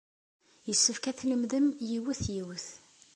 Yessefk ad tlemdem yiwet, yiwet.